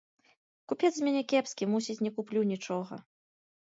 Купец з мяне кепскі, мусіць, не куплю нічога.